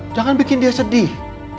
jangan bikin dia sedih